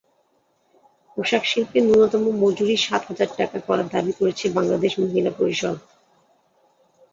পোশাকশিল্পে ন্যূনতম মজুরি সাত হাজার টাকা করার দাবি করেছে বাংলাদেশ মহিলা পরিষদ।